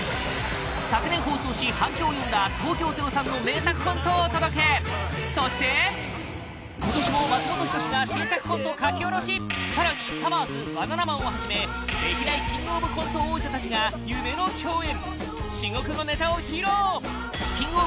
昨年放送し反響を呼んだ東京０３の名作コントをお届けそして今年も松本人志が新作コント書き下ろし更にさまぁずバナナマンをはじめ歴代「キングオブコント」王者たちが夢の共演